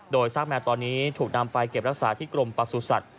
โดยซากแมวตอนนี้ถูกนำไปเก็บรักษาที่กรมประสุทธิ์